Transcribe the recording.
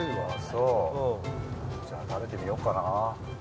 そう、じゃあ食べてみようかな。